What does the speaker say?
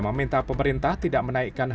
meminta pemerintah tidak menaikkan